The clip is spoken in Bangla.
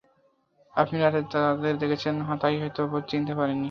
আপনি রাতে তাদের দেখেছেন, তাই হয়তো চিনতে পারেননি।